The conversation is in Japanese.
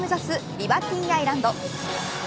リバティアイランド。